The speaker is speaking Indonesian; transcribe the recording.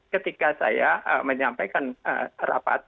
ketika saya menyampaikan rapat